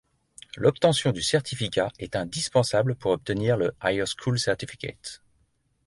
L'obtention du certificat est indispensable pour obtenir le Higher School Certificate.